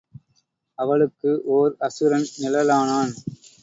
அவளுக்கு ஒர் அசுரன் நிழலானான்.